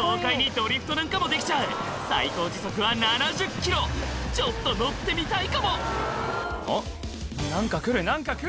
豪快にドリフトなんかもできちゃう最高時速は７０ｋｍちょっと乗ってみたいかもおっ何か来る何か来る！